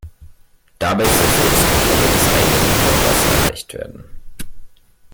Dabei soll Selbstkontrolle des eigenen Körpers erreicht werden.